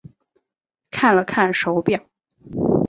看了看手表